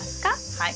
はい。